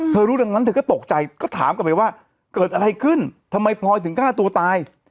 รู้ดังนั้นเธอก็ตกใจก็ถามกลับไปว่าเกิดอะไรขึ้นทำไมพลอยถึงฆ่าตัวตาย